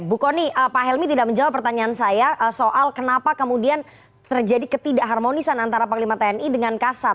bu kony pak helmi tidak menjawab pertanyaan saya soal kenapa kemudian terjadi ketidak harmonisan antara panglima tni dengan kasat